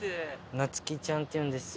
なつきちゃんっていうんですよ。